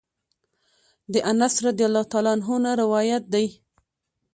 د انس رضی الله عنه نه روايت دی: